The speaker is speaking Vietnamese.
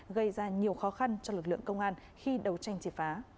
gây ra nhiều khó khăn cho lực lượng công an khi đấu tranh triệt phá